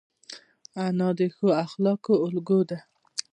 انا د ښو اخلاقو الګو ده